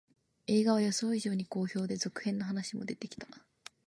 映画は予想以上に好評で、続編の話も出てきた